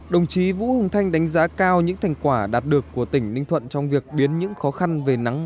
đồng chí vũ hồng thanh đánh giá cao những thành quả đạt được của tỉnh ninh thuận trong việc biến những khó khăn về nắng